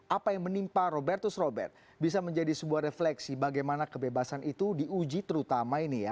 apa yang menimpa robertus robert bisa menjadi sebuah refleksi bagaimana kebebasan itu diuji terutama ini ya